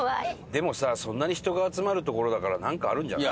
でもさそんなに人が集まる所だからなんかあるんじゃない？